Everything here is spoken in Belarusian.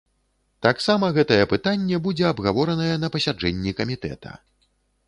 Таксама гэтае пытанне будзе абгаворанае на пасяджэнні камітэта.